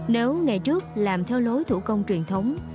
nếu ngày trước làm theo lối thủ công truyền thống